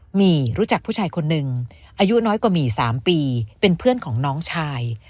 หมี่รู้จักผู้ชายคนหนึ่งอายุน้อยกว่าหมี่๓ปีเป็นเพื่อนของน้องชาย